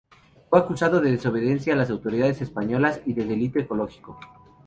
Fue acusado de desobediencia a las autoridades españolas y de delito ecológico.